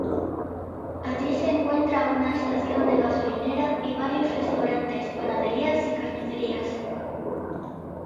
Allí se encuentra una estación de gasolinera y varios restaurantes, panaderías y carnicerías.